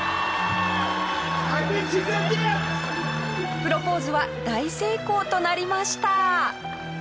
プロポーズは大成功となりました。